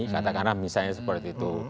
katakanlah misalnya seperti itu